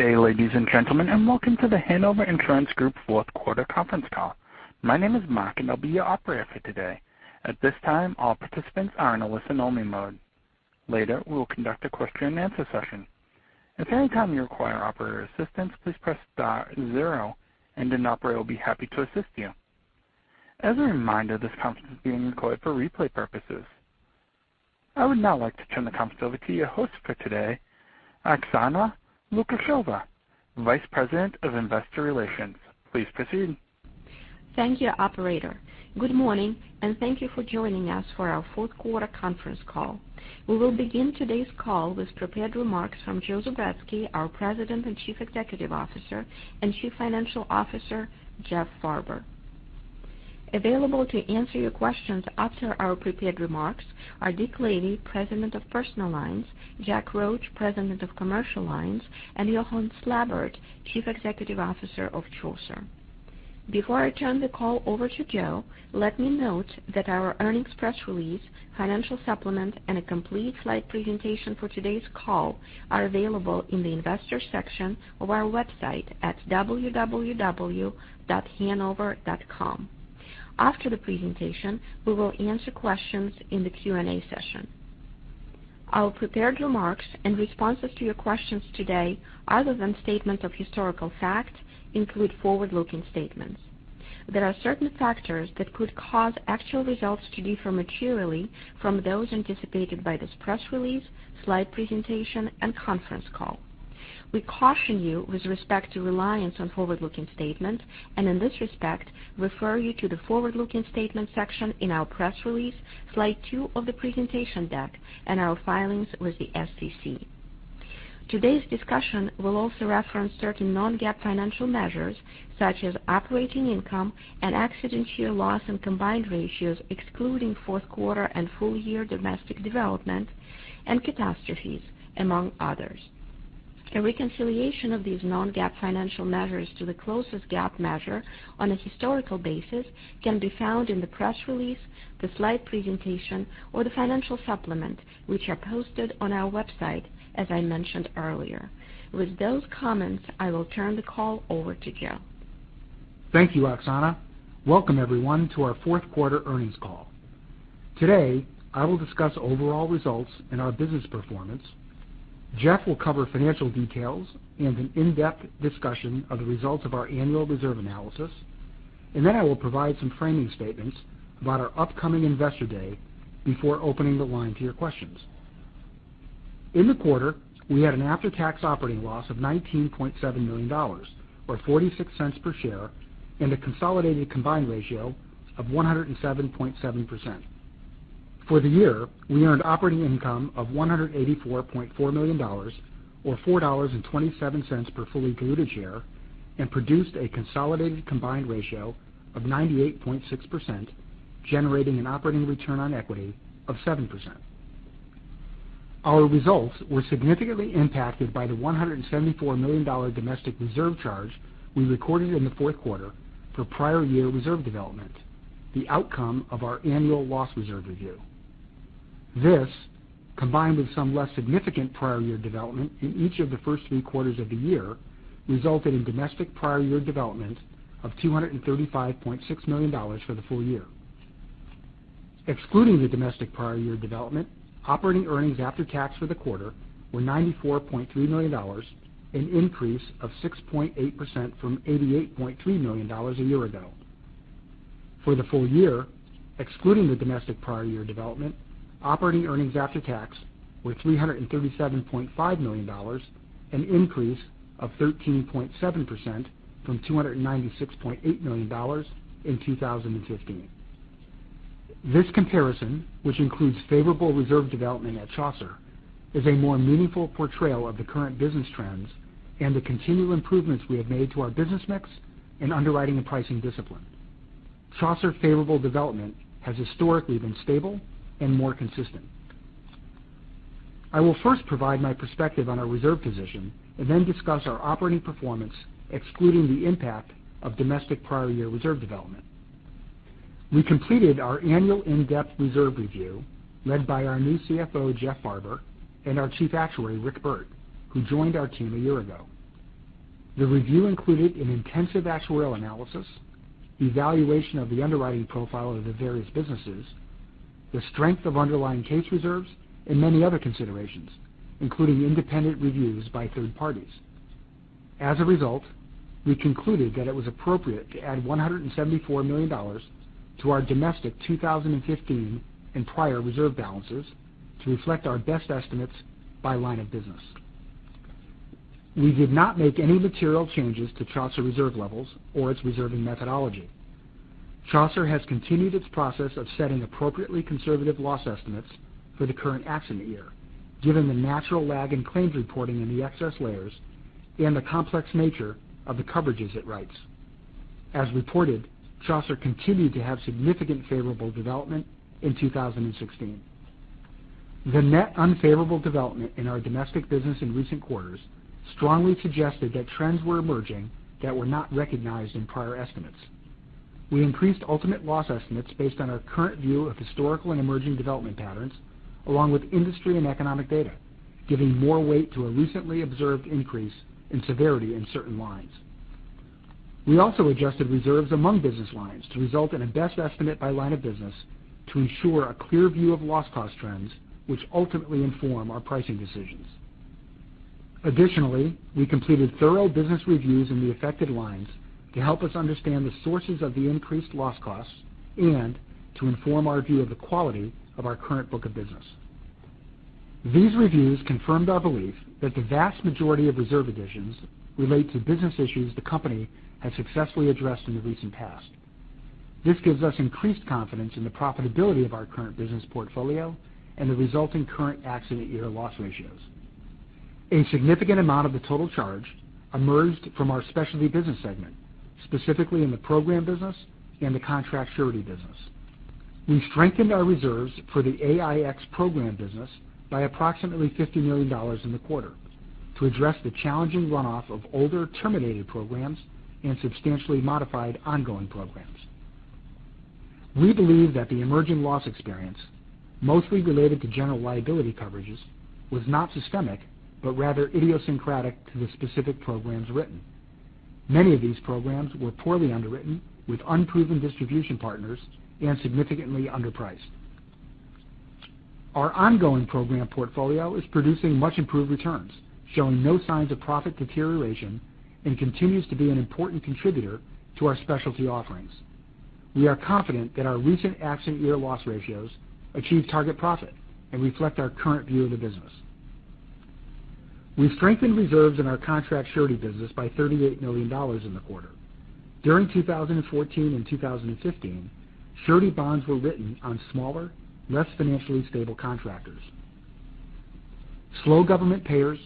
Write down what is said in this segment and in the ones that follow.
Good day, ladies and gentlemen, welcome to The Hanover Insurance Group fourth quarter conference call. My name is Mark and I'll be your operator for today. At this time, all participants are in a listen-only mode. Later, we will conduct a question-and-answer session. If at any time you require operator assistance, please press star zero, and an operator will be happy to assist you. As a reminder, this conference is being recorded for replay purposes. I would now like to turn the conference over to your host for today, Oksana Lukasheva, Vice President of Investor Relations. Please proceed. Thank you, operator. Good morning, thank you for joining us for our fourth quarter conference call. We will begin today's call with prepared remarks from Joseph Zubretsky, our President and Chief Executive Officer, and Chief Financial Officer, Jeffrey Farber. Available to answer your questions after our prepared remarks are Richard Lavey, President of Personal Lines, Jack Roche, President of Commercial Lines, and Johan Slabbert, Chief Executive Officer of Chaucer. Before I turn the call over to Joe, let me note that our earnings press release, financial supplement, and a complete slide presentation for today's call are available in the investors section of our website at www.hanover.com. After the presentation, we will answer questions in the Q&A session. Our prepared remarks in responses to your questions today, other than statements of historical fact, include forward-looking statements. There are certain factors that could cause actual results to differ materially from those anticipated by this press release, slide presentation, conference call. We caution you with respect to reliance on forward-looking statements, in this respect, refer you to the forward-looking statements section in our press release, slide two of the presentation deck, and our filings with the SEC. Today's discussion will also reference certain non-GAAP financial measures such as operating income and accident year loss and combined ratios excluding fourth quarter and full-year domestic development and catastrophes, among others. A reconciliation of these non-GAAP financial measures to the closest GAAP measure on a historical basis can be found in the press release, the slide presentation, or the financial supplement, which are posted on our website, as I mentioned earlier. With those comments, I will turn the call over to Joe. Thank you, Oksana. Welcome, everyone, to our fourth quarter earnings call. Today, I will discuss overall results in our business performance. Jeff will cover financial details and an in-depth discussion of the results of our annual reserve analysis. Then I will provide some framing statements about our upcoming Investor Day before opening the line to your questions. In the quarter, we had an after-tax operating loss of $19.7 million, or $0.46 per share, a consolidated combined ratio of 107.7%. For the year, we earned operating income of $184.4 million, or $4.27 per fully diluted share, produced a consolidated combined ratio of 98.6%, generating an operating return on equity of 7%. Our results were significantly impacted by the $174 million domestic reserve charge we recorded in the fourth quarter for prior year reserve development, the outcome of our annual loss reserve review. This, combined with some less significant prior year development in each of the first three quarters of the year, resulted in domestic prior year development of $235.6 million for the full year. Excluding the domestic prior year development, operating earnings after tax for the quarter were $94.3 million, an increase of 6.8% from $88.3 million a year ago. For the full year, excluding the domestic prior year development, operating earnings after tax were $337.5 million, an increase of 13.7% from $296.8 million in 2015. This comparison, which includes favorable reserve development at Chaucer, is a more meaningful portrayal of the current business trends and the continual improvements we have made to our business mix and underwriting and pricing discipline. Chaucer favorable development has historically been stable and more consistent. I will first provide my perspective on our reserve position and then discuss our operating performance, excluding the impact of domestic prior year reserve development. We completed our annual in-depth reserve review led by our new CFO, Jeff Farber, and our chief actuary, Rick Burt, who joined our team a year ago. The review included an intensive actuarial analysis, evaluation of the underwriting profile of the various businesses, the strength of underlying case reserves, and many other considerations, including independent reviews by third parties. As a result, we concluded that it was appropriate to add $174 million to our domestic 2015 and prior reserve balances to reflect our best estimates by line of business. We did not make any material changes to Chaucer reserve levels or its reserving methodology. Chaucer has continued its process of setting appropriately conservative loss estimates for the current accident year, given the natural lag in claims reporting in the excess layers and the complex nature of the coverages it writes. As reported, Chaucer continued to have significant favorable development in 2016. The net unfavorable development in our domestic business in recent quarters strongly suggested that trends were emerging that were not recognized in prior estimates. We increased ultimate loss estimates based on our current view of historical and emerging development patterns, along with industry and economic data, giving more weight to a recently observed increase in severity in certain lines. We also adjusted reserves among business lines to result in a best estimate by line of business to ensure a clear view of loss cost trends which ultimately inform our pricing decisions. We completed thorough business reviews in the affected lines to help us understand the sources of the increased loss costs and to inform our view of the quality of our current book of business. These reviews confirmed our belief that the vast majority of reserve additions relate to business issues the company has successfully addressed in the recent past. This gives us increased confidence in the profitability of our current business portfolio and the resulting current accident year loss ratios. A significant amount of the total charge emerged from our specialty business segment, specifically in the program business and the contract surety business. We strengthened our reserves for the AIX program business by approximately $50 million in the quarter to address the challenging runoff of older terminated programs and substantially modified ongoing programs. We believe that the emerging loss experience, mostly related to general liability coverages, was not systemic, but rather idiosyncratic to the specific programs written. Many of these programs were poorly underwritten with unproven distribution partners and significantly underpriced. Our ongoing program portfolio is producing much improved returns, showing no signs of profit deterioration and continues to be an important contributor to our specialty offerings. We are confident that our recent accident year loss ratios achieve target profit and reflect our current view of the business. We've strengthened reserves in our contract surety business by $38 million in the quarter. During 2014 and 2015, surety bonds were written on smaller, less financially stable contractors. Slow government payers,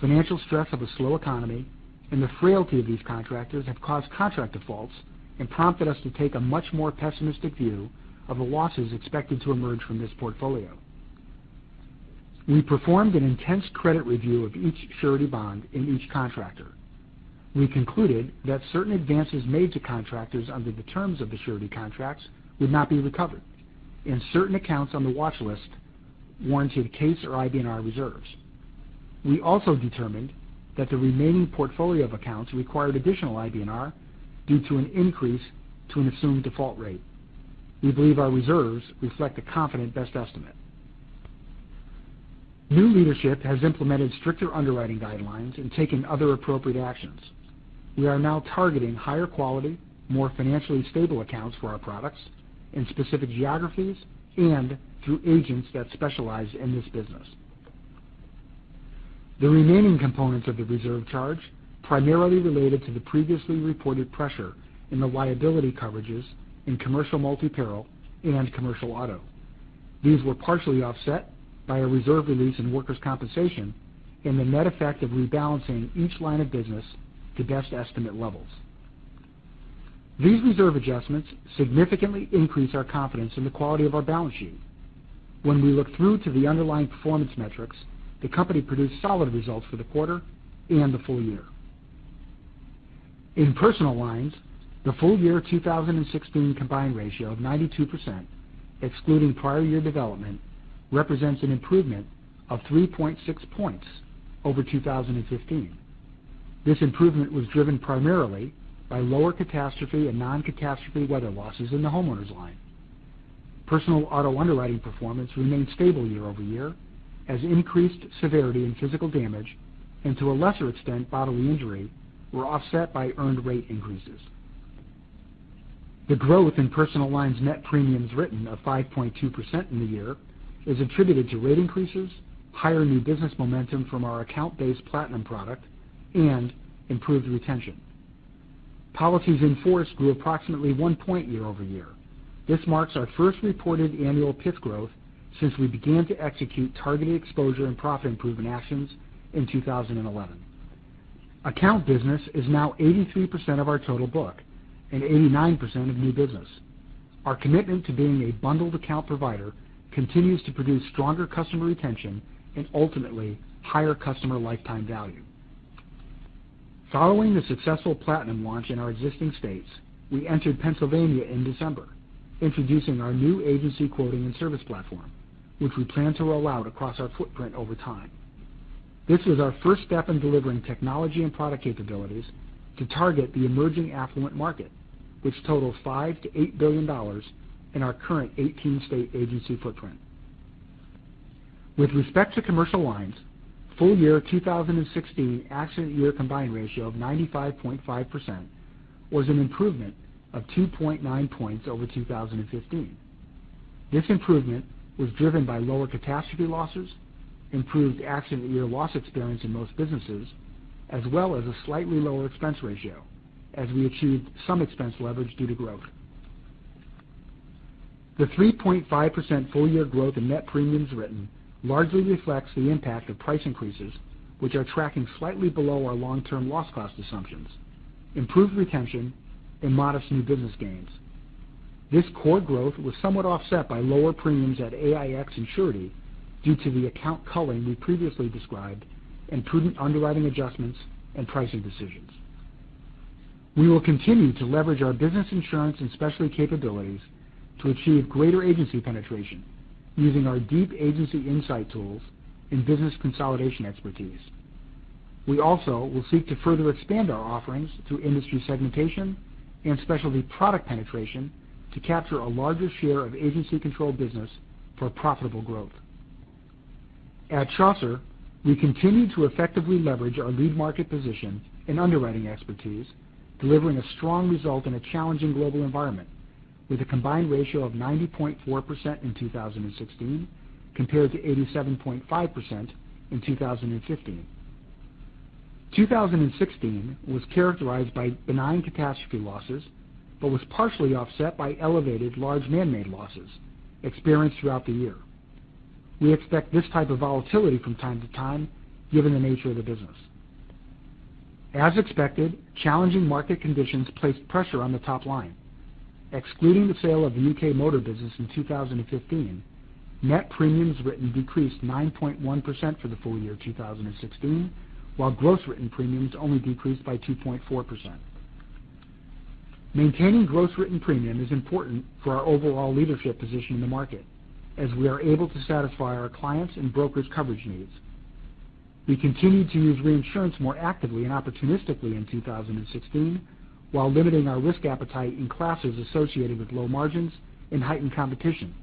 financial stress of a slow economy, and the frailty of these contractors have caused contract defaults and prompted us to take a much more pessimistic view of the losses expected to emerge from this portfolio. We performed an intense credit review of each surety bond and each contractor. We concluded that certain advances made to contractors under the terms of the surety contracts would not be recovered, and certain accounts on the watchlist warranted case or IBNR reserves. We also determined that the remaining portfolio of accounts required additional IBNR due to an increase to an assumed default rate. We believe our reserves reflect a confident best estimate. New leadership has implemented stricter underwriting guidelines and taken other appropriate actions. We are now targeting higher quality, more financially stable accounts for our products in specific geographies and through agents that specialize in this business. The remaining components of the reserve charge primarily related to the previously reported pressure in the liability coverages in Commercial Multi-Peril and commercial auto. These were partially offset by a reserve release in workers' compensation and the net effect of rebalancing each line of business to best estimate levels. These reserve adjustments significantly increase our confidence in the quality of our balance sheet. When we look through to the underlying performance metrics, the company produced solid results for the quarter and the full year. In personal lines, the full year 2016 combined ratio of 92%, excluding prior year development, represents an improvement of 3.6 points over 2015. This improvement was driven primarily by lower catastrophe and non-catastrophe weather losses in the homeowners line. Personal auto underwriting performance remained stable year-over-year as increased severity in physical damage, and to a lesser extent, bodily injury, were offset by earned rate increases. The growth in personal lines net premiums written of 5.2% in the year is attributed to rate increases, higher new business momentum from our account-based Platinum product, and improved retention. Policies in force grew approximately one point year-over-year. This marks our first reported annual PIF growth since we began to execute targeted exposure and profit improvement actions in 2011. Account business is now 83% of our total book and 89% of new business. Our commitment to being a bundled account provider continues to produce stronger customer retention and ultimately higher customer lifetime value. Following the successful Platinum launch in our existing states, we entered Pennsylvania in December, introducing our new agency quoting and service platform, which we plan to roll out across our footprint over time. This is our first step in delivering technology and product capabilities to target the emerging affluent market, which totals $5 billion-$8 billion in our current 18-state agency footprint. With respect to commercial lines, full year 2016 accident year combined ratio of 95.5% was an improvement of 2.9 points over 2015. This improvement was driven by lower catastrophe losses, improved accident year loss experience in most businesses, as well as a slightly lower expense ratio, as we achieved some expense leverage due to growth. The 3.5% full year growth in net premiums written largely reflects the impact of price increases, which are tracking slightly below our long-term loss cost assumptions, improved retention, and modest new business gains. This core growth was somewhat offset by lower premiums at AIX Surety due to the account culling we previously described and prudent underwriting adjustments and pricing decisions. We will continue to leverage our business insurance and specialty capabilities to achieve greater agency penetration using our deep agency insight tools and business consolidation expertise. We also will seek to further expand our offerings through industry segmentation and specialty product penetration to capture a larger share of agency control business for profitable growth. At Chaucer, we continue to effectively leverage our lead market position and underwriting expertise, delivering a strong result in a challenging global environment with a combined ratio of 90.4% in 2016 compared to 87.5% in 2015. 2016 was characterized by benign catastrophe losses but was partially offset by elevated large man-made losses experienced throughout the year. We expect this type of volatility from time to time, given the nature of the business. As expected, challenging market conditions placed pressure on the top line. Excluding the sale of the U.K. motor business in 2015, net premiums written decreased 9.1% for the full year 2016, while gross written premiums only decreased by 2.4%. Maintaining gross written premium is important for our overall leadership position in the market as we are able to satisfy our clients' and brokers' coverage needs. We continued to use reinsurance more actively and opportunistically in 2016 while limiting our risk appetite in classes associated with low margins and heightened competition,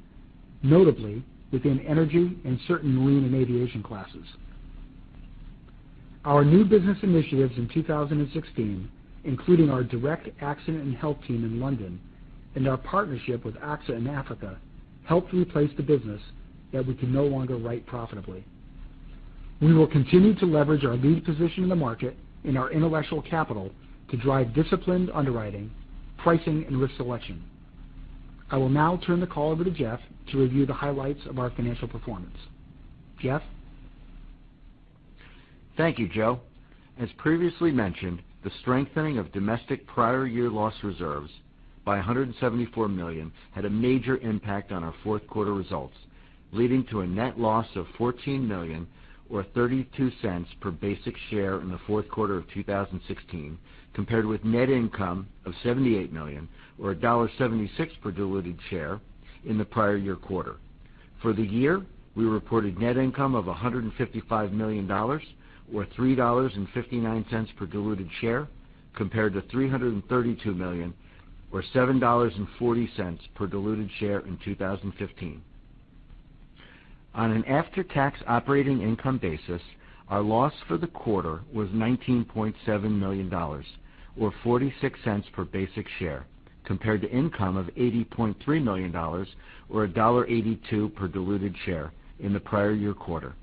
notably within energy and certain marine and aviation classes. Our new business initiatives in 2016, including our direct accident and health team in London and our partnership with AXA in Africa, helped replace the business that we can no longer write profitably. We will continue to leverage our lead position in the market and our intellectual capital to drive disciplined underwriting, pricing, and risk selection. I will now turn the call over to Jeff to review the highlights of our financial performance. Jeff? Thank you, Joe. As previously mentioned, the strengthening of domestic prior year loss reserves by $174 million had a major impact on our fourth quarter results, leading to a net loss of $14 million, or $0.32 per basic share in the fourth quarter of 2016, compared with net income of $78 million, or $1.76 per diluted share in the prior year quarter. For the year, we reported net income of $155 million, or $3.59 per diluted share, compared to $332 million, or $7.40 per diluted share in 2015. On an after-tax operating income basis, our loss for the quarter was $19.7 million, or $0.46 per basic share, compared to income of $80.3 million, or $1.82 per diluted share in the prior year quarter.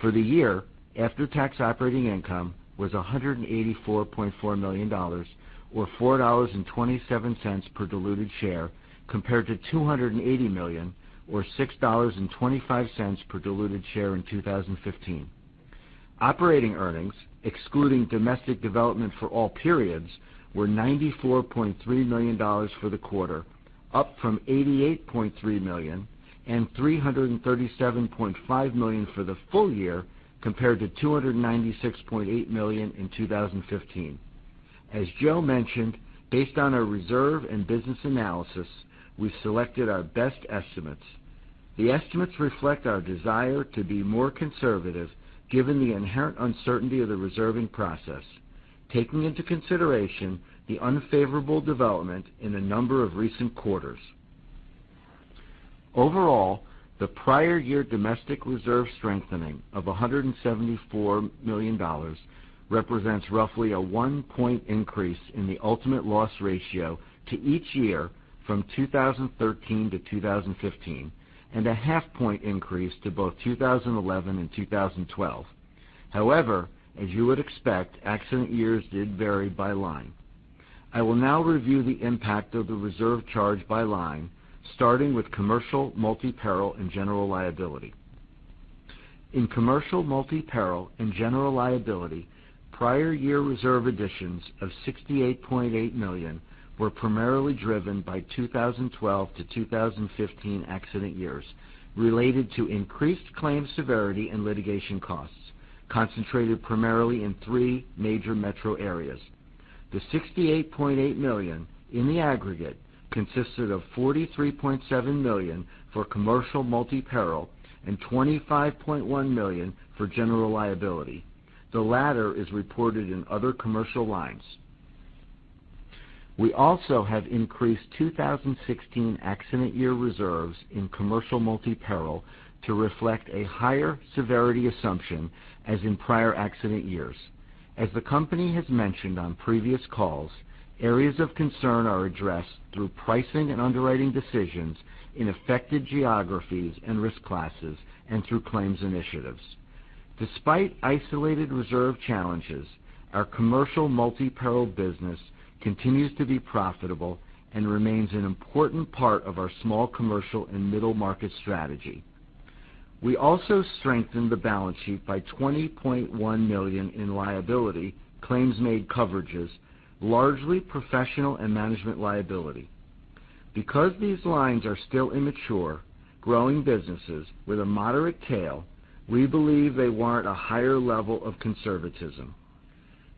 For the year, after-tax operating income was $184.4 million, or $4.27 per diluted share, compared to $280 million, or $6.25 per diluted share in 2015. Operating earnings, excluding domestic development for all periods, were $94.3 million for the quarter, up from $88.3 million and $337.5 million for the full year, compared to $296.8 million in 2015. As Joe mentioned, based on our reserve and business analysis, we've selected our best estimates. The estimates reflect our desire to be more conservative given the inherent uncertainty of the reserving process, taking into consideration the unfavorable development in a number of recent quarters. Overall, the prior year domestic reserve strengthening of $174 million represents roughly a one-point increase in the ultimate loss ratio to each year from 2013 to 2015, and a half-point increase to both 2011 and 2012. As you would expect, accident years did vary by line. I will now review the impact of the reserve charge by line, starting with commercial multi-peril and general liability. In commercial multi-peril and general liability, prior year reserve additions of $68.8 million were primarily driven by 2012 to 2015 accident years related to increased claims severity and litigation costs concentrated primarily in three major metro areas. The $68.8 million in the aggregate consisted of $43.7 million for commercial multi-peril and $25.1 million for general liability. The latter is reported in other commercial lines. We also have increased 2016 accident year reserves in commercial multi-peril to reflect a higher severity assumption as in prior accident years. As the company has mentioned on previous calls, areas of concern are addressed through pricing and underwriting decisions in affected geographies and risk classes and through claims initiatives. Despite isolated reserve challenges, our commercial multi-peril business continues to be profitable and remains an important part of our small commercial and middle market strategy. We also strengthened the balance sheet by $20.1 million in liability claims made coverages, largely professional and management liability. These lines are still immature, growing businesses with a moderate tail, we believe they warrant a higher level of conservatism.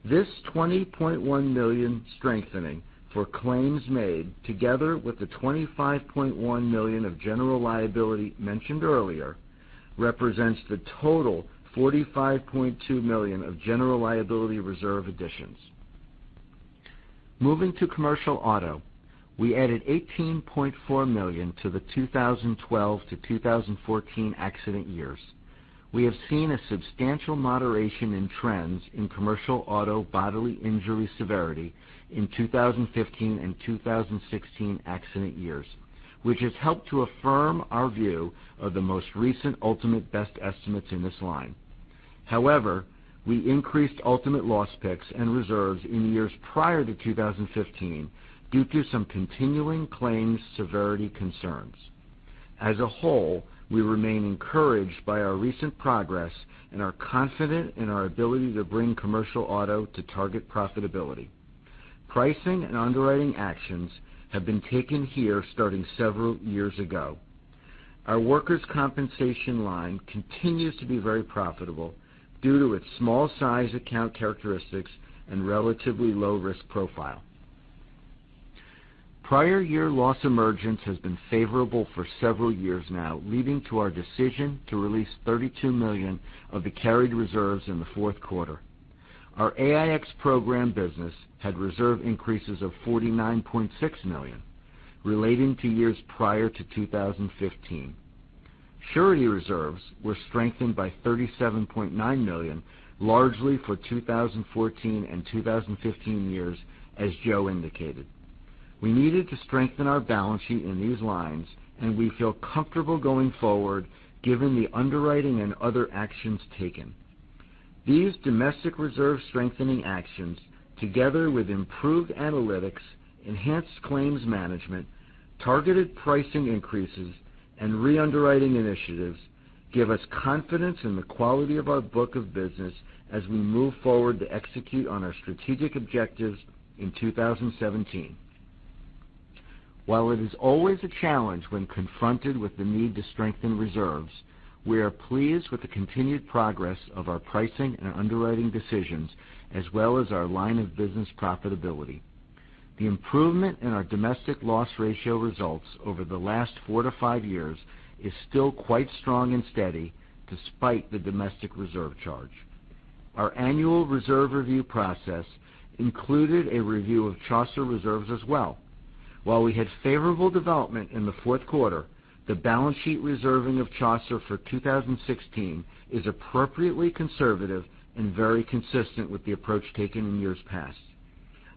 This $20.1 million strengthening for claims made, together with the $25.1 million of general liability mentioned earlier, represents the total $45.2 million of general liability reserve additions. Moving to commercial auto, we added $18.4 million to the 2012 to 2014 accident years. We have seen a substantial moderation in trends in commercial auto bodily injury severity in 2015 and 2016 accident years, which has helped to affirm our view of the most recent ultimate best estimates in this line. We increased ultimate loss picks and reserves in the years prior to 2015 due to some continuing claims severity concerns. As a whole, we remain encouraged by our recent progress and are confident in our ability to bring commercial auto to target profitability. Pricing and underwriting actions have been taken here starting several years ago. Our workers' compensation line continues to be very profitable due to its small size, account characteristics, and relatively low risk profile. Prior year loss emergence has been favorable for several years now, leading to our decision to release $32 million of the carried reserves in the fourth quarter. Our AIX program business had reserve increases of $49.6 million relating to years prior to 2015. Surety reserves were strengthened by $37.9 million, largely for 2014 and 2015 years, as Joe indicated. We needed to strengthen our balance sheet in these lines, and we feel comfortable going forward given the underwriting and other actions taken. These domestic reserve strengthening actions, together with improved analytics, enhanced claims management, targeted pricing increases, and re-underwriting initiatives, give us confidence in the quality of our book of business as we move forward to execute on our strategic objectives in 2017. While it is always a challenge when confronted with the need to strengthen reserves, we are pleased with the continued progress of our pricing and underwriting decisions as well as our line of business profitability. The improvement in our domestic loss ratio results over the last four to five years is still quite strong and steady despite the domestic reserve charge. Our annual reserve review process included a review of Chaucer reserves as well. While we had favorable development in the fourth quarter, the balance sheet reserving of Chaucer for 2016 is appropriately conservative and very consistent with the approach taken in years past.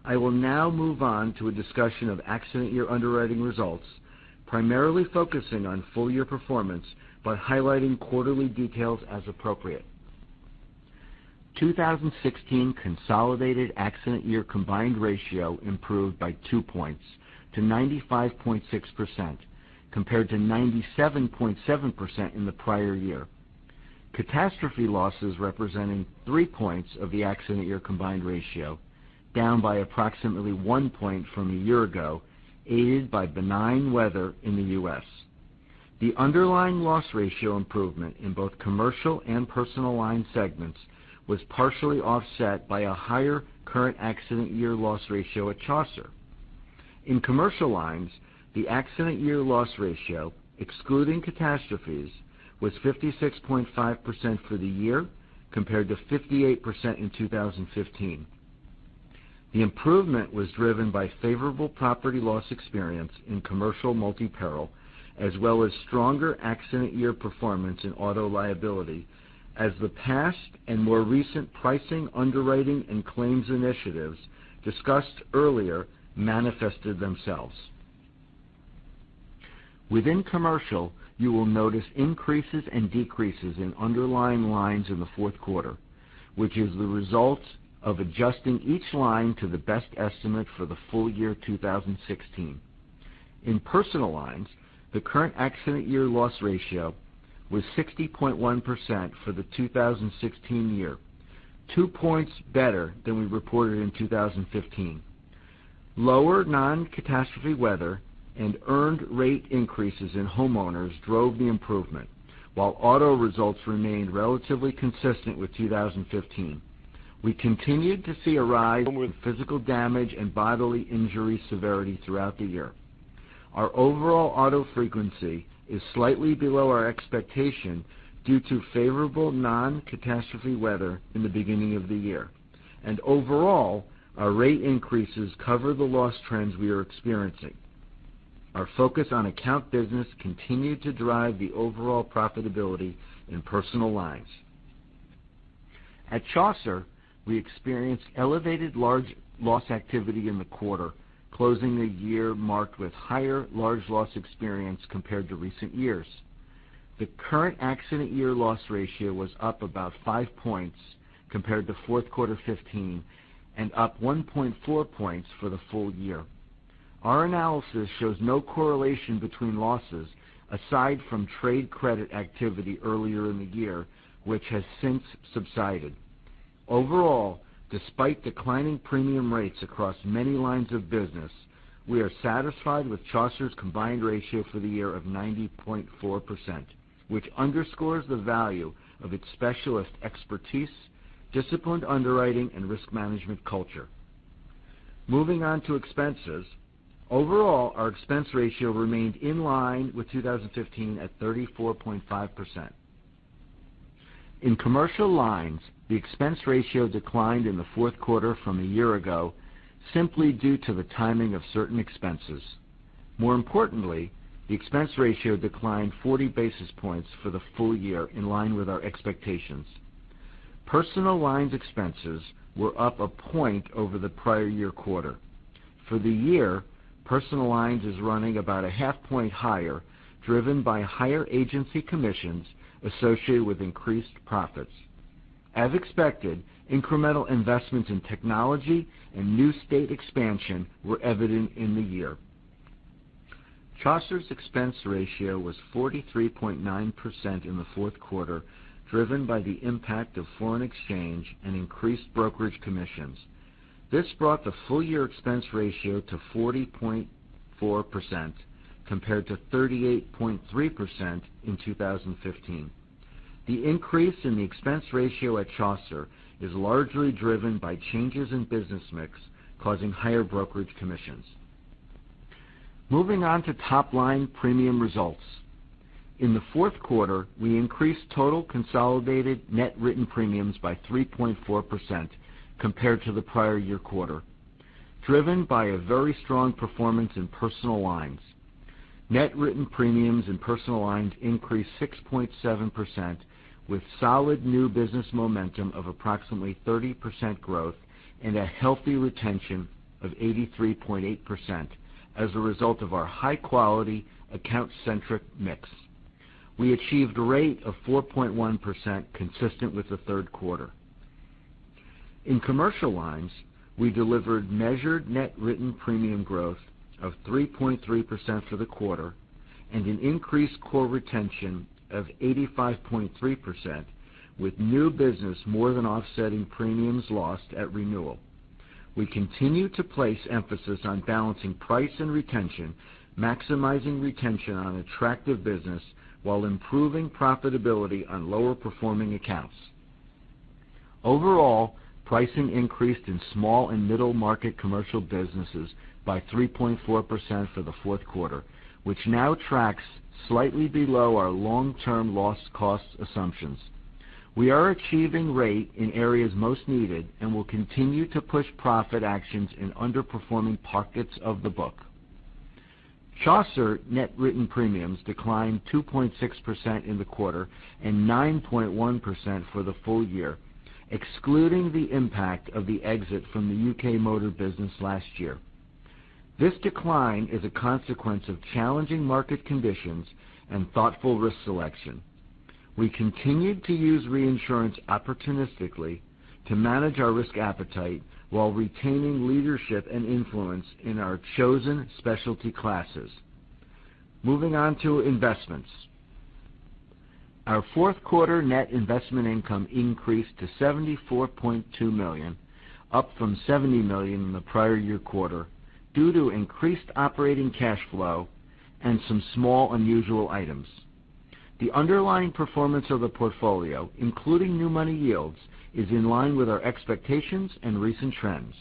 I will now move on to a discussion of accident year underwriting results, primarily focusing on full year performance by highlighting quarterly details as appropriate. 2016 consolidated accident year combined ratio improved by two points to 95.6%, compared to 97.7% in the prior year. Catastrophe losses representing three points of the accident year combined ratio, down by approximately one point from a year ago, aided by benign weather in the U.S. The underlying loss ratio improvement in both commercial and personal line segments was partially offset by a higher current accident year loss ratio at Chaucer. In commercial lines, the accident year loss ratio, excluding catastrophes, was 56.5% for the year, compared to 58% in 2015. The improvement was driven by favorable property loss experience in commercial multi-peril, as well as stronger accident year performance in auto liability as the past and more recent pricing, underwriting, and claims initiatives discussed earlier manifested themselves. Within commercial, you will notice increases and decreases in underlying lines in the fourth quarter, which is the result of adjusting each line to the best estimate for the full year 2016. In personal lines, the current accident year loss ratio was 60.1% for the 2016 year, two points better than we reported in 2015. Lower non-catastrophe weather and earned rate increases in homeowners drove the improvement, while auto results remained relatively consistent with 2015. We continued to see a rise in physical damage and bodily injury severity throughout the year. Our overall auto frequency is slightly below our expectation due to favorable non-catastrophe weather in the beginning of the year. Overall, our rate increases cover the loss trends we are experiencing. Our focus on account business continued to drive the overall profitability in personal lines. At Chaucer, we experienced elevated large loss activity in the quarter, closing a year marked with higher large loss experience compared to recent years. The current accident year loss ratio was up about 5 points compared to fourth quarter 2015 and up 1.4 points for the full year. Our analysis shows no correlation between losses aside from trade credit activity earlier in the year, which has since subsided. Overall, despite declining premium rates across many lines of business, we are satisfied with Chaucer's combined ratio for the year of 90.4%, which underscores the value of its specialist expertise, disciplined underwriting, and risk management culture. Moving on to expenses. Overall, our expense ratio remained in line with 2015 at 34.5%. In Commercial Lines, the expense ratio declined in the fourth quarter from a year ago, simply due to the timing of certain expenses. More importantly, the expense ratio declined 40 basis points for the full year in line with our expectations. Personal Lines expenses were up 1 point over the prior year quarter. For the year, Personal Lines is running about a half point higher, driven by higher agency commissions associated with increased profits. As expected, incremental investments in technology and new state expansion were evident in the year. Chaucer's expense ratio was 43.9% in the fourth quarter, driven by the impact of foreign exchange and increased brokerage commissions. This brought the full-year expense ratio to 40.4%, compared to 38.3% in 2015. The increase in the expense ratio at Chaucer is largely driven by changes in business mix, causing higher brokerage commissions. Moving on to top-line premium results. In the fourth quarter, we increased total consolidated net written premiums by 3.4% compared to the prior year quarter, driven by a very strong performance in Personal Lines. Net written premiums in Personal Lines increased 6.7%, with solid new business momentum of approximately 30% growth and a healthy retention of 83.8% as a result of our high-quality, account-centric mix. We achieved a rate of 4.1%, consistent with the third quarter. In Commercial Lines, we delivered measured net written premium growth of 3.3% for the quarter and an increased core retention of 85.3%, with new business more than offsetting premiums lost at renewal. We continue to place emphasis on balancing price and retention, maximizing retention on attractive business while improving profitability on lower-performing accounts. Overall, pricing increased in small and middle-market commercial businesses by 3.4% for the fourth quarter, which now tracks slightly below our long-term loss cost assumptions. We are achieving rate in areas most needed and will continue to push profit actions in underperforming pockets of the book. Chaucer net written premiums declined 2.6% in the quarter and 9.1% for the full year, excluding the impact of the exit from the U.K. motor business last year. This decline is a consequence of challenging market conditions and thoughtful risk selection. We continued to use reinsurance opportunistically to manage our risk appetite while retaining leadership and influence in our chosen specialty classes. Moving on to investments. Our fourth quarter net investment income increased to $74.2 million, up from $70 million in the prior year quarter, due to increased operating cash flow and some small unusual items. The underlying performance of the portfolio, including new money yields, is in line with our expectations and recent trends.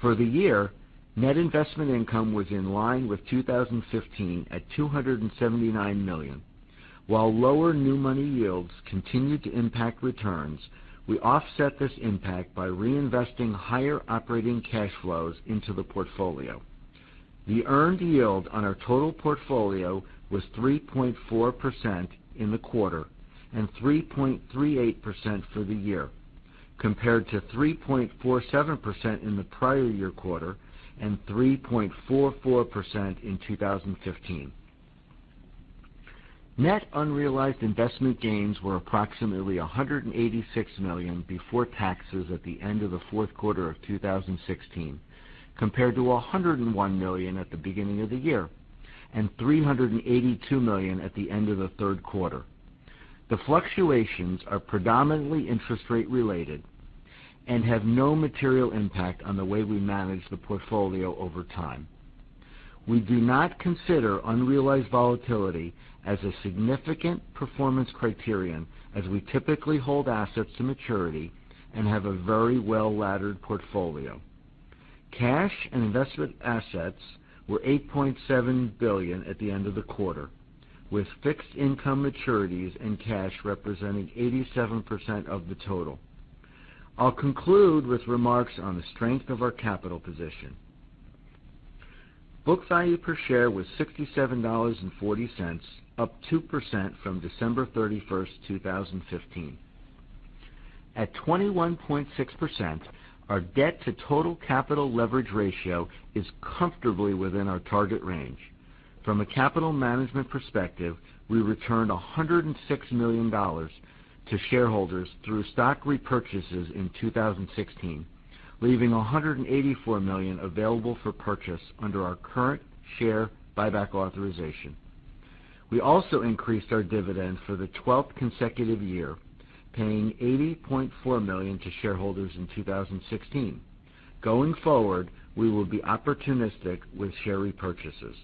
For the year, net investment income was in line with 2015 at $279 million. While lower new money yields continued to impact returns, we offset this impact by reinvesting higher operating cash flows into the portfolio. The earned yield on our total portfolio was 3.4% in the quarter and 3.38% for the year, compared to 3.47% in the prior year quarter and 3.44% in 2015. Net unrealized investment gains were approximately $186 million before taxes at the end of the fourth quarter of 2016, compared to $101 million at the beginning of the year and $382 million at the end of the third quarter. The fluctuations are predominantly interest rate-related and have no material impact on the way we manage the portfolio over time. We do not consider unrealized volatility as a significant performance criterion as we typically hold assets to maturity and have a very well-laddered portfolio. Cash and investment assets were $8.7 billion at the end of the quarter, with fixed income maturities and cash representing 87% of the total. I'll conclude with remarks on the strength of our capital position. Book value per share was $67.40, up 2% from December 31st, 2015. At 21.6%, our debt-to-total capital leverage ratio is comfortably within our target range. From a capital management perspective, we returned $106 million to shareholders through stock repurchases in 2016, leaving $184 million available for purchase under our current share buyback authorization. We also increased our dividend for the 12th consecutive year, paying $80.4 million to shareholders in 2016. Going forward, we will be opportunistic with share repurchases.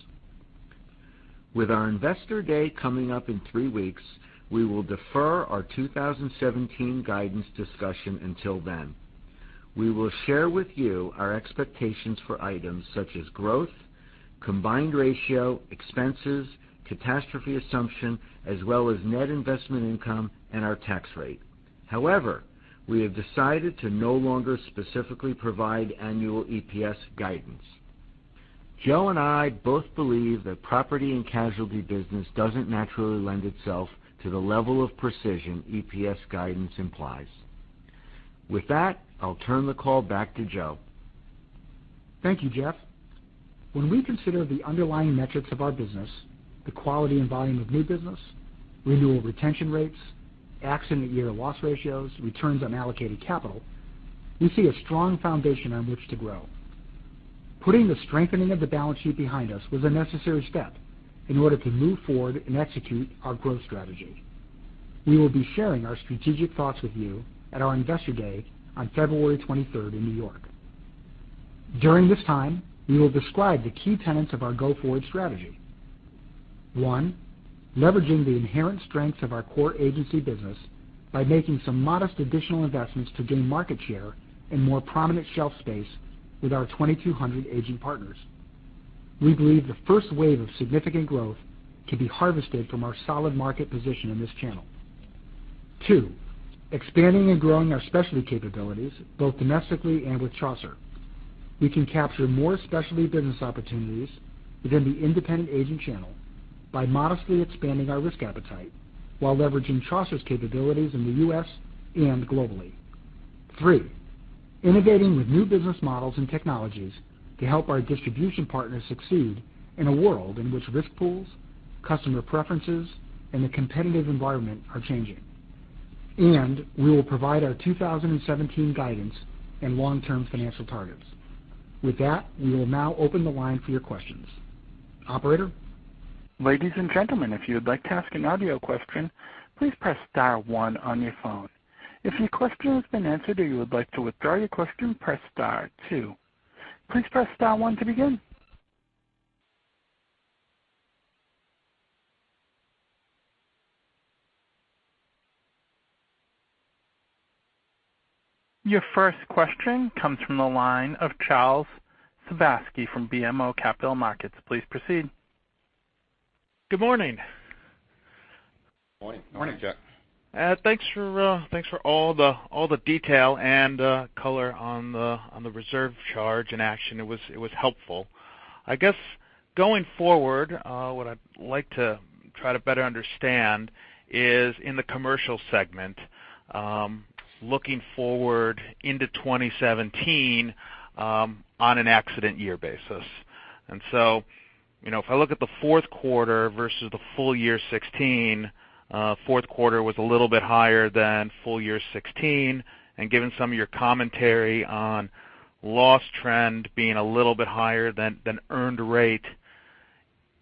With our Investor Day coming up in three weeks, we will defer our 2017 guidance discussion until then. We will share with you our expectations for items such as growth, combined ratio, expenses, catastrophe assumption, as well as net investment income, and our tax rate. However, we have decided to no longer specifically provide annual EPS guidance. Joe and I both believe that property and casualty business doesn't naturally lend itself to the level of precision EPS guidance implies. With that, I'll turn the call back to Joe. Thank you, Jeff. When we consider the underlying metrics of our business, the quality and volume of new business, renewal retention rates, accident year loss ratios, returns on allocated capital, we see a strong foundation on which to grow. Putting the strengthening of the balance sheet behind us was a necessary step in order to move forward and execute our growth strategy. We will be sharing our strategic thoughts with you at our Investor Day on February 23rd in New York. During this time, we will describe the key tenets of our go-forward strategy. One, leveraging the inherent strengths of our core agency business by making some modest additional investments to gain market share and more prominent shelf space with our 2,200 agent partners. We believe the first wave of significant growth can be harvested from our solid market position in this channel. Two, expanding and growing our specialty capabilities, both domestically and with Chaucer. We can capture more specialty business opportunities within the independent agent channel by modestly expanding our risk appetite while leveraging Chaucer's capabilities in the U.S. and globally. Three, innovating with new business models and technologies to help our distribution partners succeed in a world in which risk pools, customer preferences, and the competitive environment are changing. We will provide our 2017 guidance and long-term financial targets. With that, we will now open the line for your questions. Operator? Ladies and gentlemen, if you would like to ask an audio question, please press star one on your phone. If your question has been answered or you would like to withdraw your question, press star two. Please press star one to begin. Your first question comes from the line of Charles Svihlik from BMO Capital Markets. Please proceed. Good morning. Morning. Morning, Chuck. Thanks for all the detail and color on the reserve charge and action. It was helpful. I guess, going forward, what I'd like to try to better understand is in the commercial segment looking forward into 2017 on an accident year basis. If I look at the fourth quarter versus the full year 2016, fourth quarter was a little bit higher than full year 2016, and given some of your commentary on loss trend being a little bit higher than earned rate,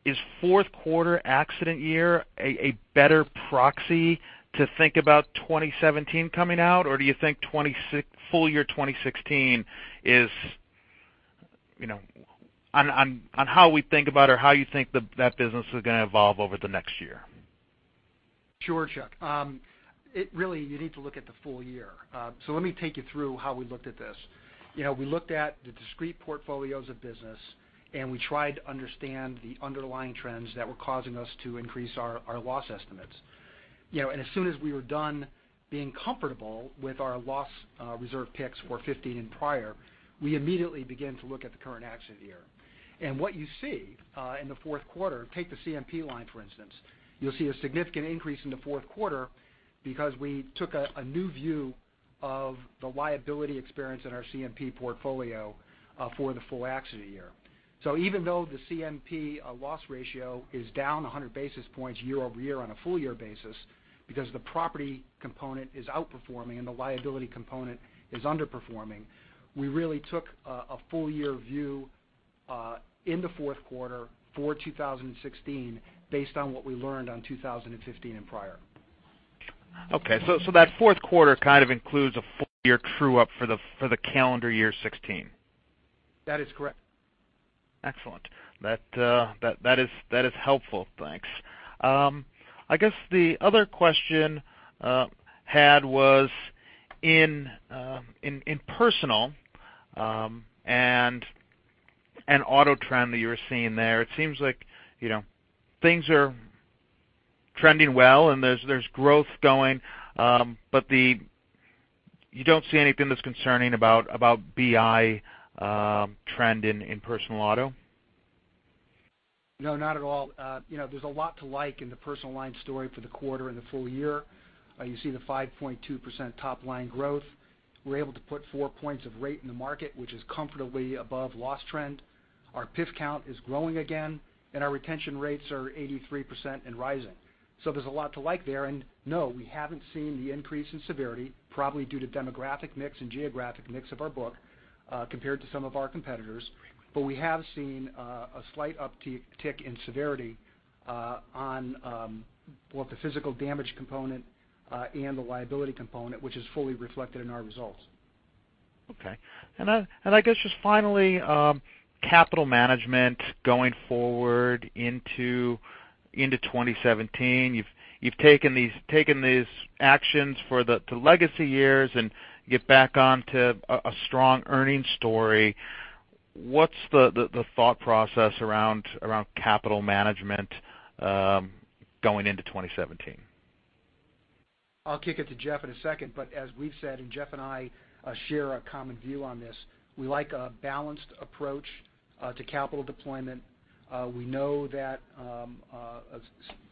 is fourth quarter accident year a better proxy to think about 2017 coming out? Or do you think full year 2016 is on how we think about or how you think that business is going to evolve over the next year? Sure, Chuck. Really, you need to look at the full year. Let me take you through how we looked at this. We looked at the discrete portfolios of business, and we tried to understand the underlying trends that were causing us to increase our loss estimates. As soon as we were done being comfortable with our loss reserve picks for 2015 and prior, we immediately began to look at the current accident year. What you see in the fourth quarter, take the CMP line, for instance. You'll see a significant increase in the fourth quarter because we took a new view of the liability experience in our CMP portfolio for the full accident year. Even though the CMP loss ratio is down 100 basis points year-over-year on a full year basis because the property component is outperforming and the liability component is underperforming, we really took a full year view in the fourth quarter for 2016 based on what we learned on 2015 and prior. Okay, so that fourth quarter kind of includes a full year true-up for the calendar year 2016. That is correct. Excellent. That is helpful. Thanks. I guess the other question had was in Personal and auto trend that you were seeing there, it seems like things are trending well and there's growth going. You don't see anything that's concerning about BI trend in Personal auto? No, not at all. There's a lot to like in the Personal Line story for the quarter and the full year. You see the 5.2% top-line growth. We're able to put four points of rate in the market, which is comfortably above loss trend. Our PIF count is growing again, our retention rates are 83% and rising. There's a lot to like there. No, we haven't seen the increase in severity, probably due to demographic mix and geographic mix of our book compared to some of our competitors. We have seen a slight uptick in severity on both the physical damage component and the liability component, which is fully reflected in our results. Okay. I guess just finally, capital management going forward into 2017. You've taken these actions for the legacy years and get back onto a strong earnings story. What's the thought process around capital management going into 2017? I'll kick it to Jeff in a second, but as we've said, and Jeff and I share a common view on this, we like a balanced approach to capital deployment. We know that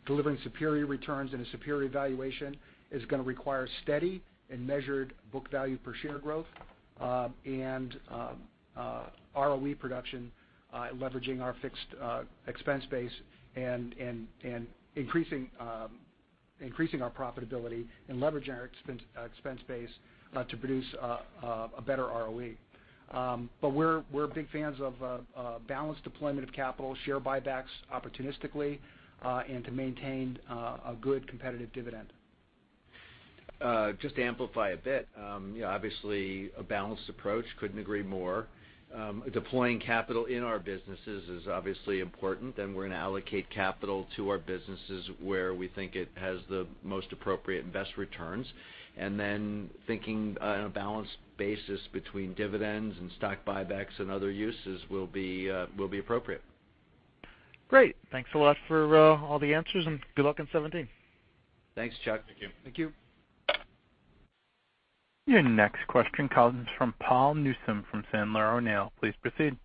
delivering superior returns and a superior valuation is going to require steady and measured book value per share growth and ROE production, leveraging our fixed expense base and increasing our profitability and leveraging our expense base to produce a better ROE. We're big fans of balanced deployment of capital, share buybacks opportunistically, and to maintain a good competitive dividend. Just to amplify a bit. Obviously, a balanced approach, couldn't agree more. Deploying capital in our businesses is obviously important, and we're going to allocate capital to our businesses where we think it has the most appropriate and best returns. Thinking on a balanced basis between dividends and stock buybacks and other uses will be appropriate. Great. Thanks a lot for all the answers, and good luck in 2017. Thanks, Chuck. Thank you. Thank you. Your next question comes from Paul Newsome from Sandler O'Neill. Please proceed.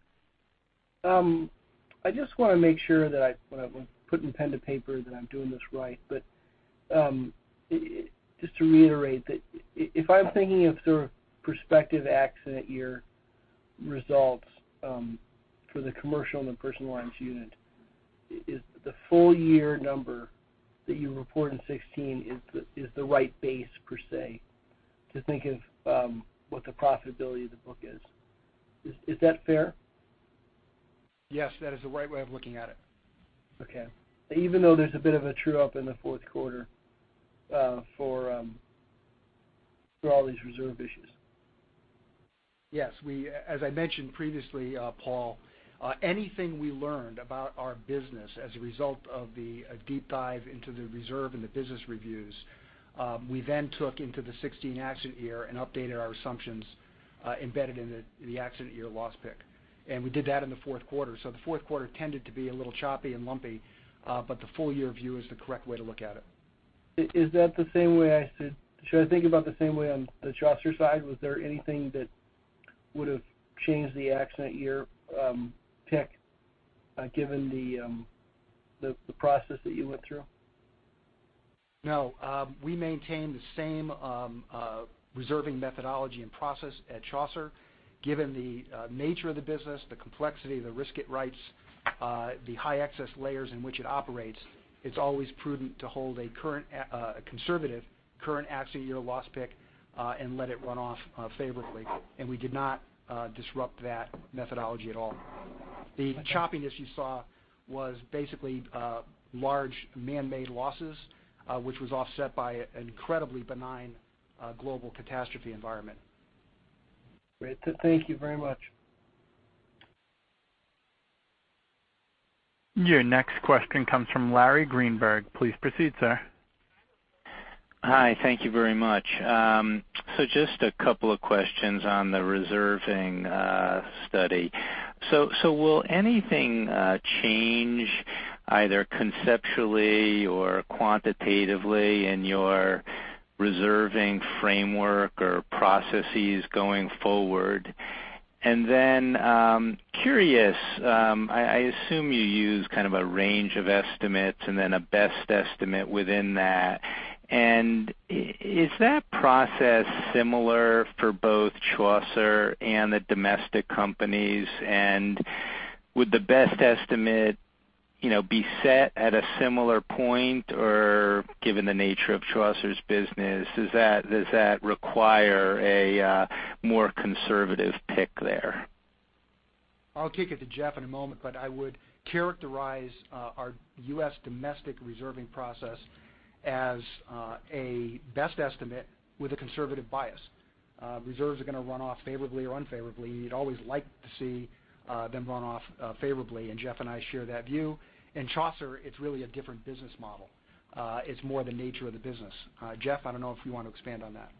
I just want to make sure that when I'm putting pen to paper, that I'm doing this right. Just to reiterate that if I'm thinking of sort of prospective accident year results for the commercial and the personal lines unit, is the full year number that you report in 2016 is the right base per se, to think of what the profitability of the book is. Is that fair? Yes, that is the right way of looking at it. Okay. Even though there's a bit of a true-up in the fourth quarter for all these reserve issues. Yes. As I mentioned previously, Paul, anything we learned about our business as a result of the deep dive into the reserve and the business reviews, we then took into the 2016 accident year and updated our assumptions embedded in the accident year loss pick. We did that in the fourth quarter. The fourth quarter tended to be a little choppy and lumpy, the full-year view is the correct way to look at it. Should I think about the same way on the Chaucer side? Was there anything that would have changed the accident year pick given the process that you went through? No. We maintain the same reserving methodology and process at Chaucer. Given the nature of the business, the complexity of the risk it writes, the high excess layers in which it operates, it's always prudent to hold a conservative current accident year loss pick and let it run off favorably. We did not disrupt that methodology at all. The choppiness you saw was basically large manmade losses which was offset by an incredibly benign global catastrophe environment. Great. Thank you very much. Your next question comes from Larry Greenberg. Please proceed, sir. Hi. Thank you very much. Just a couple of questions on the reserving study. Will anything change either conceptually or quantitatively in your reserving framework or processes going forward? Curious, I assume you use kind of a range of estimates and then a best estimate within that. Is that process similar for both Chaucer and the domestic companies? Would the best estimate be set at a similar point? Or given the nature of Chaucer's business, does that require a more conservative pick there? I'll kick it to Jeff in a moment. I would characterize our U.S. domestic reserving process as a best estimate with a conservative bias. Reserves are going to run off favorably or unfavorably. You'd always like to see them run off favorably. Jeff and I share that view. Chaucer, it's really a different business model. It's more the nature of the business. Jeff, I don't know if you want to expand on that.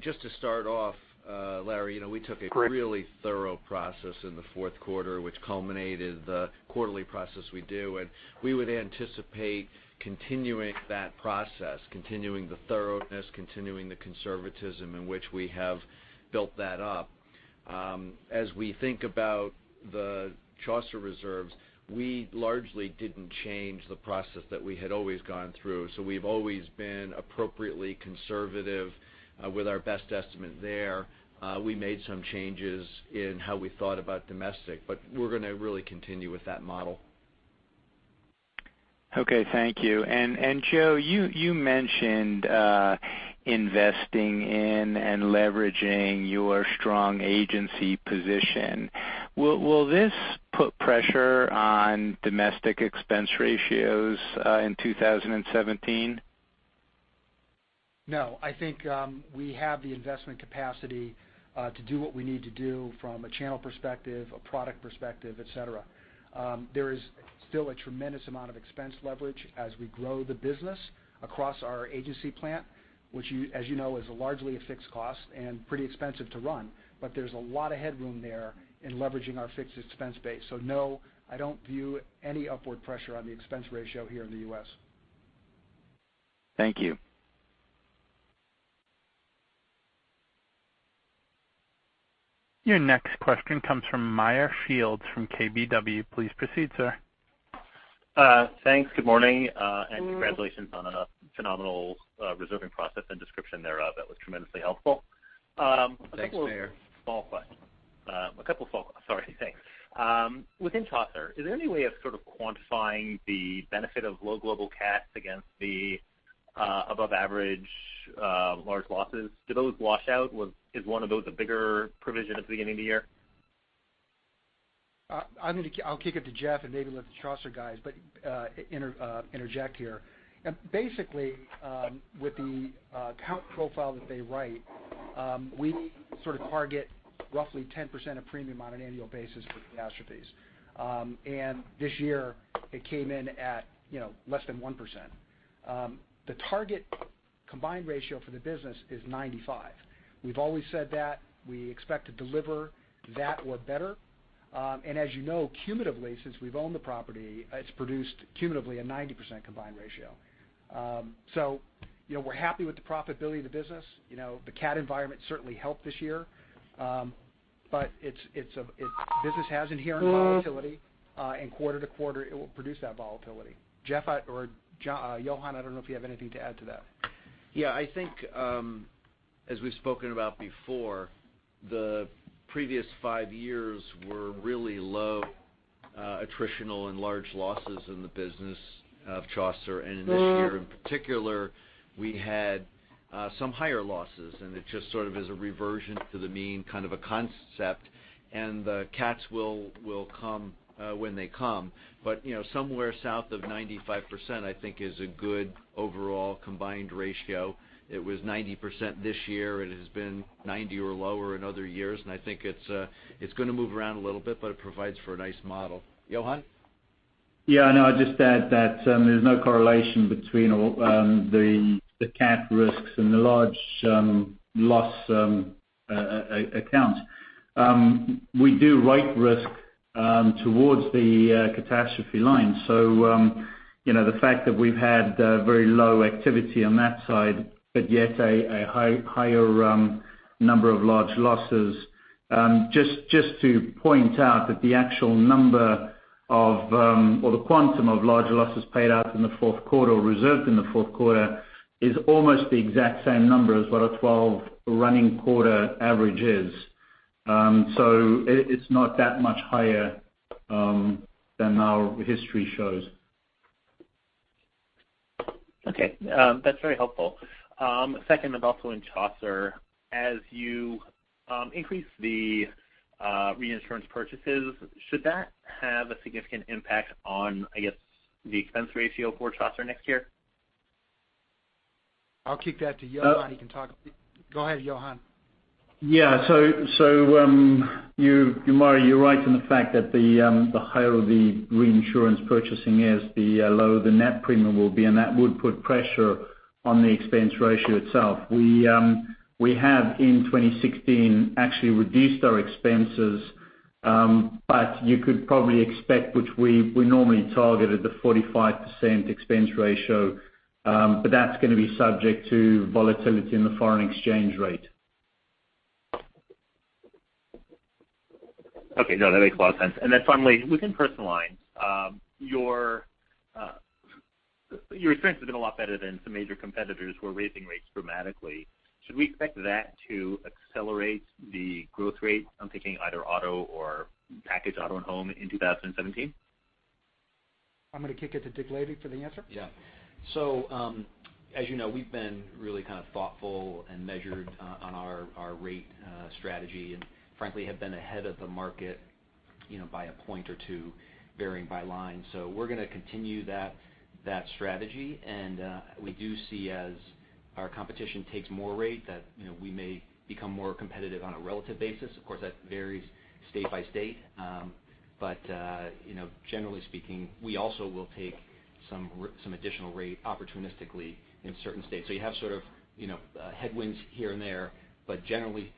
Just to start off, Larry, we took a really thorough process in the fourth quarter, which culminated the quarterly process we do. We would anticipate continuing that process, continuing the thoroughness, continuing the conservatism in which we have built that up. As we think about the Chaucer reserves, we largely didn't change the process that we had always gone through. We've always been appropriately conservative with our best estimate there. We made some changes in how we thought about domestic. We're going to really continue with that model. Okay, thank you. Joe, you mentioned investing in and leveraging your strong agency position. Will this put pressure on domestic expense ratios in 2017? No. I think we have the investment capacity to do what we need to do from a channel perspective, a product perspective, et cetera. There is still a tremendous amount of expense leverage as we grow the business across our agency plan, which as you know, is largely a fixed cost and pretty expensive to run. There's a lot of headroom there in leveraging our fixed expense base. No, I don't view any upward pressure on the expense ratio here in the U.S. Thank you. Your next question comes from Meyer Shields from KBW. Please proceed, sir. Thanks. Good morning, congratulations on a phenomenal reserving process and description thereof. That was tremendously helpful. Thanks, Meyer. A couple small questions. Within Chaucer, is there any way of sort of quantifying the benefit of low global cats against the above average large losses? Do those wash out? Is one of those a bigger provision at the beginning of the year? I'll kick it to Jeff and maybe let the Chaucer guys interject here. Basically, with the account profile that they write, we sort of target roughly 10% of premium on an annual basis for catastrophes. This year it came in at less than 1%. The target combined ratio for the business is 95. We've always said that we expect to deliver that or better. As you know, cumulatively, since we've owned the property, it's produced cumulatively a 90% combined ratio. We're happy with the profitability of the business. The CAT environment certainly helped this year. The business has inherent volatility, and quarter to quarter it will produce that volatility. Jeff or Johan, I don't know if you have anything to add to that. Yeah, I think, as we've spoken about before, the previous five years were really low attritional and large losses in the business of Chaucer. In this year in particular, we had some higher losses, it just sort of is a reversion to the mean kind of a concept, the cats will come when they come. Somewhere south of 95%, I think, is a good overall combined ratio. It was 90% this year. It has been 90 or lower in other years. I think it's going to move around a little bit, but it provides for a nice model. Johan? Yeah, I'd just add that there's no correlation between the cat risks and the large loss accounts. We do write risk towards the catastrophe line. The fact that we've had very low activity on that side, but yet a higher number of large losses. Just to point out that the actual number or the quantum of large losses paid out in the fourth quarter or reserved in the fourth quarter is almost the exact same number as what a 12-running quarter average is. It's not that much higher than our history shows. Okay, that's very helpful. Second, also in Chaucer, as you increase the reinsurance purchases, should that have a significant impact on, I guess, the expense ratio for Chaucer next year? I'll kick that to Johan. He can talk a bit. Go ahead, Johan. Yeah. Meyer, you're right in the fact that the higher the reinsurance purchasing is, the lower the net premium will be, and that would put pressure on the expense ratio itself. We have in 2016 actually reduced our expenses, but you could probably expect, which we normally target at the 45% expense ratio, but that's going to be subject to volatility in the foreign exchange rate. No, that makes a lot of sense. Finally, within Personal Lines your expense has been a lot better than some major competitors who are raising rates dramatically. Should we expect that to accelerate the growth rate, I'm thinking either auto or package auto and home in 2017? I'm going to kick it to Richard Lavey for the answer. Yeah. As you know, we've been really kind of thoughtful and measured on our rate strategy, and frankly, have been ahead of the market by a point or two, varying by line. We're going to continue that strategy, and we do see as our competition takes more rate that we may become more competitive on a relative basis. Of course, that varies state by state. Generally speaking, we also will take some additional rate opportunistically in certain states. You have sort of headwinds here and there, but generally,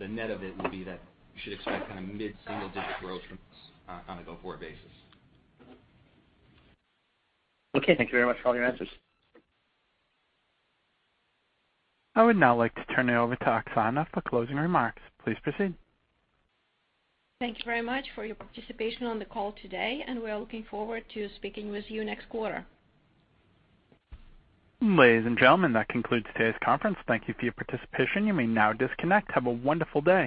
the net of it would be that you should expect kind of mid-single-digit growth from us on a go-forward basis. Okay. Thank you very much for all your answers. I would now like to turn it over to Oksana for closing remarks. Please proceed. Thank you very much for your participation on the call today. We are looking forward to speaking with you next quarter. Ladies and gentlemen, that concludes today's conference. Thank you for your participation. You may now disconnect. Have a wonderful day.